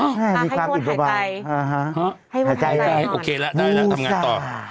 โอ้โฮมีความอินโปรบาลอ่าฮะหายใจได้โอเคแล้วได้แล้วทำงานต่อ